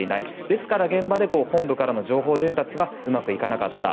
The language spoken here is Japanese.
ですから現場で本部からの情報伝達がうまくいかなかった。